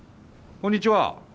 こんにちは。